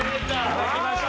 頂きました